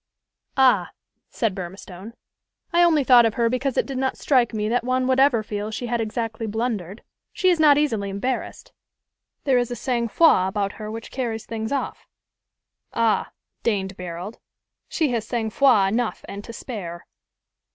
"Ah!" said Burmistone. "I only thought of her because it did not strike me that one would ever feel she had exactly blundered. She is not easily embarrassed. There is a sang froid about her which carries things off." "Ah!" deigned Barold: "she has sang froid enough and to spare."